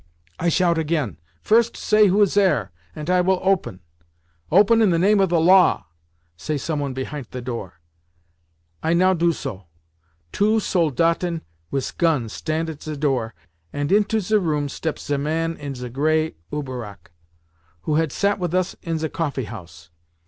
I shout again, 'First say who is zere, ant I will open.' 'Open in the name of the law!' say the someone behint the door. I now do so. Two Soldaten wis gons stant at ze door, ant into ze room steps ze man in ze grey Uberrock, who had sat with us in ze coffeehouse.